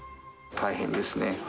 大変ですね。